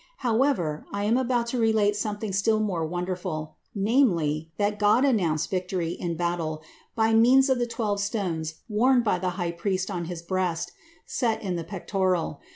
However, I am about to relate something still more wonderful, namely, that God announced victory in battle by means of the twelve stones worn by the high priest on his breast, set in the pectoral.